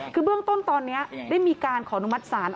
คือเบื้องต้นตอนนี้ได้มีการขออนุมัติศาล